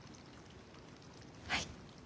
はい。